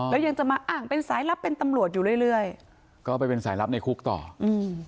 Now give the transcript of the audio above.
แล้วยังจะมาอ้างเป็นสายลับเป็นตำรวจอยู่เรื่อยเรื่อยก็ไปเป็นสายลับในคุกต่ออืม